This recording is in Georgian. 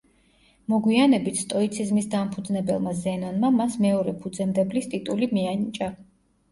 მოგვიანებით სტოიციზმის დამფუძნებელმა ზენონმა, მას მეორე ფუძემდებლის ტიტული მიანიჭა.